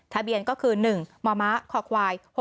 ทะเบียนก็คือ๑มคว๖๐๙๓